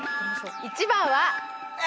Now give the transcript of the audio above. １番は。